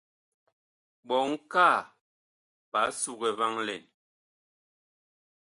Ɓɔŋ kaa ɓaa sugɛ vaŋ lɛn.